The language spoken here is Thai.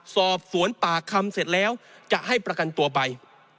สอบสวนปากคำเสร็จแล้วจะให้ประกันตัวไป